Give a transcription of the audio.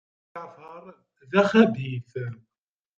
Ǧaɛfeṛ d axabit.